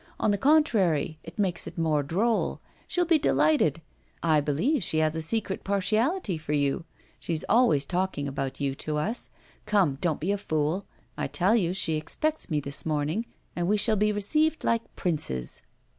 On the contrary, it makes it more droll. She'll be delighted. I believe she has a secret partiality for you. She is always talking about you to us. Come, don't be a fool. I tell you she expects me this morning, and we shall be received like princes.